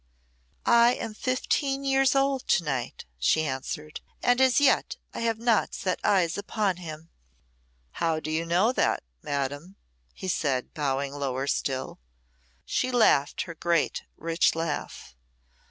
"I am fifteen years old to night," she answered; "and as yet I have not set eyes upon him." "How do you know that, madam?" he said, bowing lower still. She laughed her great rich laugh.